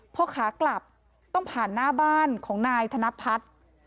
พอขากลับต้องผ่านหน้าบ้านของนายธนพัฒน์